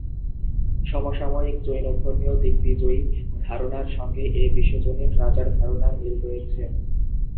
সমসাময়িক জৈন ধর্মীয় দিগ্বিজয়ী ধারণার সঙ্গে এ বিশ্বজনীন রাজার ধারণার মিল রয়েছে।